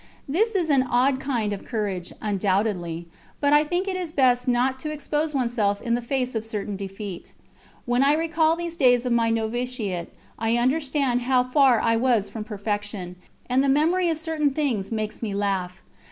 This is an odd kind of courage, undoubtedly, but I think it is best not to expose oneself in the face of certain defeat. When I recall these days of my noviciate I understand how far I was from perfection, and the memory of certain things makes me laugh.